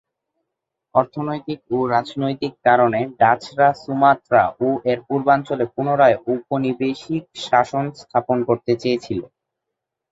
অর্থনৈতিক ও রাজনৈতিক কারণে ডাচরা সুমাত্রা ও এর পূর্বাঞ্চলে পুনরায় ঔপনিবেশিক শাসন স্থাপন করতে চেয়েছিল।